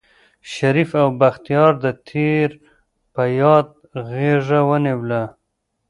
شريف او بختيار د تېر په ياد غېږه ونيوله.